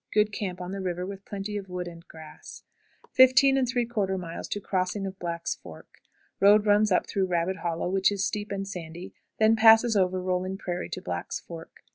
Good camp on the river, with plenty of wood and grass. 15 3/4. Crossing of Black's Fork. Road runs up through Rabbit Hollow, which is steep and sandy; it then passes over rolling prairie to Black's Fork.